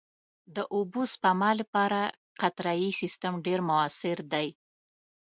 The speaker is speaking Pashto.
د اوبو سپما لپاره قطرهيي سیستم ډېر مؤثر دی.